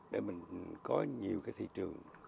để mình có nhiều thị trường